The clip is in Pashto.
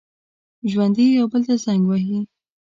ژوندي یو بل ته زنګ وهي